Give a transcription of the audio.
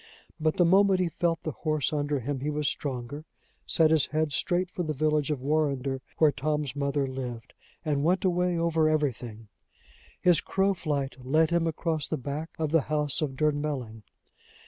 But the moment he felt the horse under him, he was stronger, set his head straight for the village of Warrender, where Tom's mother lived, and went away over everything. His crow flight led him across the back of the house of Durnmelling.